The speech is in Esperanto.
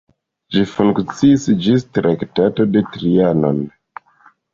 Ĝi funkciis ĝis Traktato de Trianon.